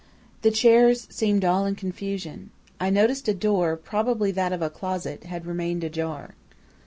"The chairs seemed all in confusion. I noticed that a door, probably that of a closet, had remained ajar.